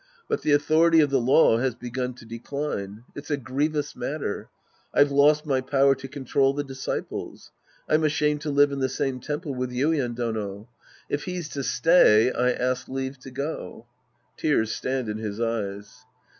But the authority of the law has begun to decline. It's a grievous matter. I've lost my power to control the disciples. I'm ashamed to live in the same temple with Yuien Dono. If he's to stay, I ask leave to go. {Tears stand in his eyes!)